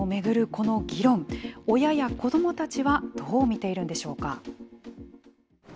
この議論親や子どもたちはどう見ているんでしょうか。